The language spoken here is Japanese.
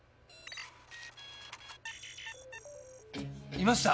いました！